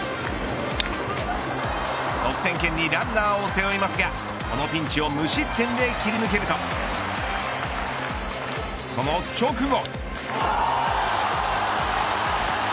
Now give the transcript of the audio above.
得点圏にランナーを背負いますがこのピンチを無失点で切り抜けるとその直後。